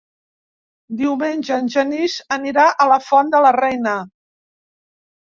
Diumenge en Genís anirà a la Font de la Reina.